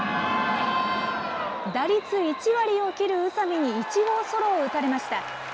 打率１割を切る宇佐見に１号ソロを打たれました。